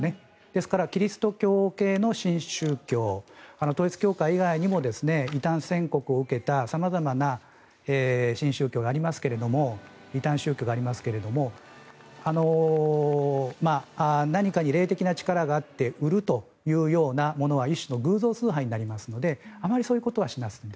ですから、キリスト教系の新宗教統一教会以外にも異端宣告を受けた様々な新宗教がありますが異端宗教がありますけど何かに霊的な力があって売るというようなものは一種の偶像崇拝になりますのであまりそういうことはしません。